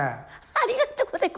ありがとうございます。